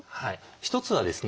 一つはですね